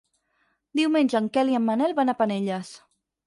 Diumenge en Quel i en Manel van a Penelles.